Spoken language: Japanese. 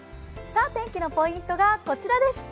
天気のポイントがこちらです。